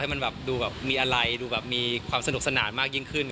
มันแบบดูแบบมีอะไรดูแบบมีความสนุกสนานมากยิ่งขึ้น